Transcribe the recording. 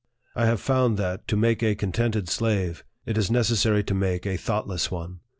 I have found that, to make a contented slave, it is necessary to make a thoughtless one.